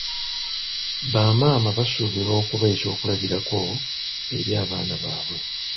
Bamaama basuubirwa okuba ekyokulabirako eri abaana baabwe.